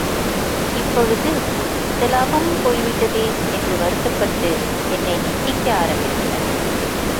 இப்பொழுது இந்த லாபமும் போய்விட்டதே என்று வருத்தப்பட்டு என்னை நிந்திக்க ஆரம்பித்தனர்.